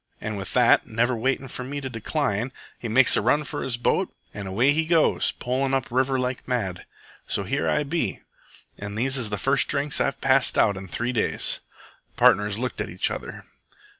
An' with that, never waitin' for me to decline, he makes a run for his boat an' away he goes, polin' up river like mad. So here I be, an' these is the first drinks I've passed out in three days." The partners looked at each other.